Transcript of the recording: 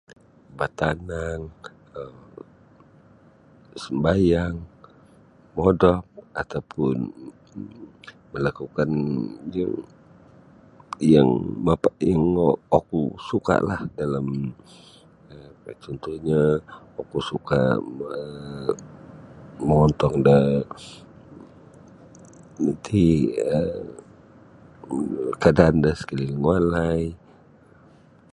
Batanang um sembayang modop atau pun melakukan um yang mapatingu' oku suka'lah dalam cuntuhnyo oku suka' mongontong da nu ti um kaadaan da sakaliling walai.